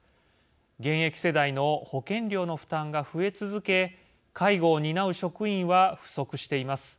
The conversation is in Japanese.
現役世代の保険料の負担が増え続け介護を担う職員は不足しています。